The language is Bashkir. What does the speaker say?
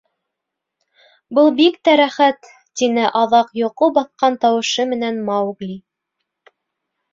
— Был бик тә рәхәт, — тине аҙаҡ йоҡо баҫҡан тауышы менән Маугли.